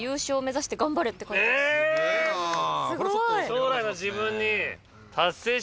将来の自分に。